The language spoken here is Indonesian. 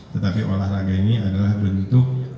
tetapi olahraga ini adalah bentuk